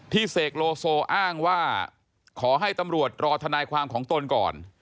เสกโลโซอ้างว่าขอให้ตำรวจรอทนายความของตนก่อน